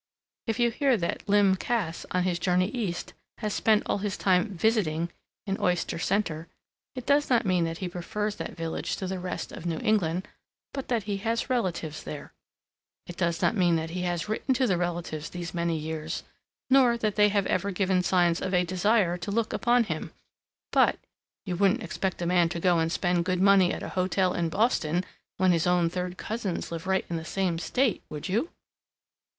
If you hear that Lym Cass on his journey East has spent all his time "visiting" in Oyster Center, it does not mean that he prefers that village to the rest of New England, but that he has relatives there. It does not mean that he has written to the relatives these many years, nor that they have ever given signs of a desire to look upon him. But "you wouldn't expect a man to go and spend good money at a hotel in Boston, when his own third cousins live right in the same state, would you?"